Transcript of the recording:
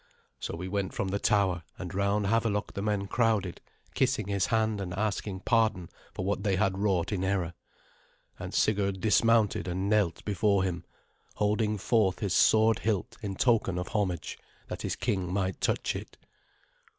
So we went from the tower, and round Havelok the men crowded, kissing his hand and asking pardon for what they had wrought in error; and Sigurd dismounted and knelt before him, holding forth his sword hilt in token of homage, that his king might touch it.